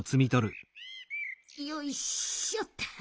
よいしょっと。